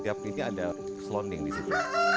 tiap ini ada selonding di situ